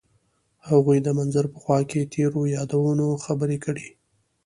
هغوی د منظر په خوا کې تیرو یادونو خبرې کړې.